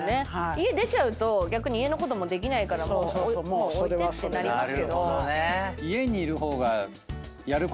家出ちゃうと逆に家のこともできないからもう置いてってなりますけど。